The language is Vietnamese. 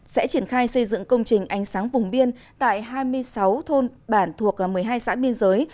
sẽ triển khai xây dựng công trình ánh sáng vùng biên tại hai mươi sáu thôn bản thuộc một mươi hai xã biên giới